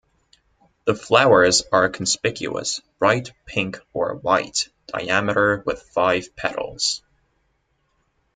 The flowers are conspicuous, bright pink or white, diameter, with five petals.